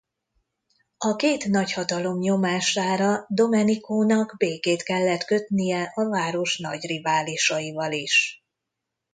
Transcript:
A két nagyhatalom nyomására Domeniconak békét kellett kötnie a város nagy riválisaival is.